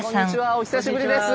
お久しぶりです。